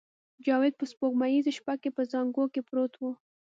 جاوید په سپوږمیزه شپه کې په زانګو کې پروت و